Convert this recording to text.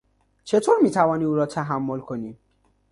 چطور میتوانی او را تحمل کنی؟